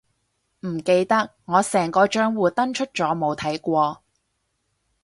唔記得，我成個帳戶登出咗冇睇過